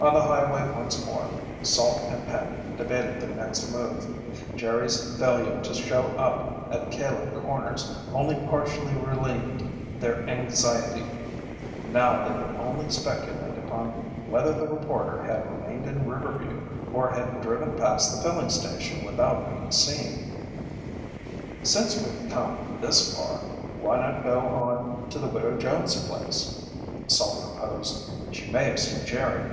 On the highway once more, Salt and Penny debated their next move. Jerry's failure to show up at Caleb Corners only partially relieved their anxiety. Now they could only speculate upon whether the reporter had remained in Riverview or had driven past the filling station without being seen. "Since we've come this far, why not go on to the Widow Jones' place?" Salt proposed. "She may have seen Jerry.